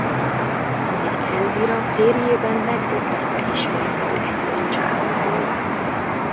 Majd Elvira férjében megdöbbenve ismeri fel egykori csábítóját.